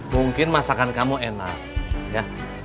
mungkin masakan kamu enak ya